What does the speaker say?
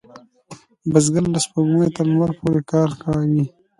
بزګر له سپوږمۍ تر لمر پورې کار کوي